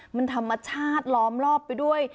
มันธรรมชาติล้อมรอบไปด้วย